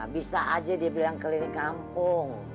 bisa aja dia bilang keliling kampung